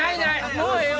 もうええよ